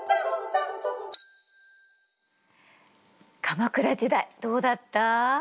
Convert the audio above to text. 鎌倉時代どうだった？